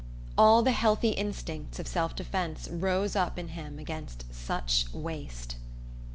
All the healthy instincts of self defence rose up in him against such waste...